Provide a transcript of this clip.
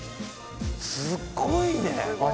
すっごいね